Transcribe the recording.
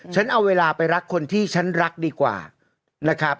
ฉันเอาเวลาไปรักคนที่ฉันรักดีกว่านะครับ